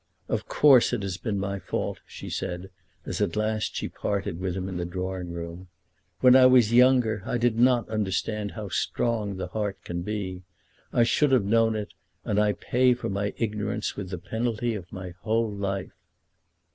"Of course it has been my fault," she said, as at last she parted with him in the drawing room. "When I was younger I did not understand how strong the heart can be. I should have known it, and I pay for my ignorance with the penalty of my whole life."